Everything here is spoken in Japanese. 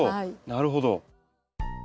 なるほど。